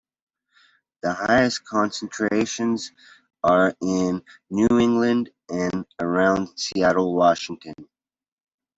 The highest concentrations are in New England and around Seattle, Washington.